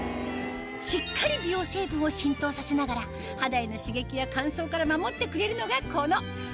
しっかり美容成分を浸透させながら肌への刺激や乾燥から守ってくれるのがこのＢＯＮＯＴＯＸ